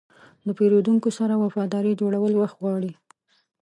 د پیرودونکو سره وفاداري جوړول وخت غواړي.